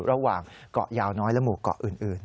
ระหว่างเกาะยาวน้อยและหมู่เกาะอื่น